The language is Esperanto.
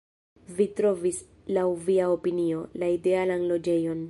Vi trovis, laŭ via opinio, la idealan loĝejon.